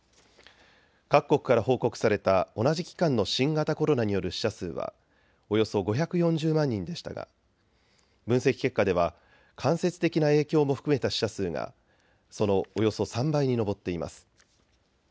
各国から報告された同じ期間の新型コロナによる死者数はおよそ５４０万人でしたが分析結果では間接的な影響も含めた死者数がそのおよそ３倍に上っています。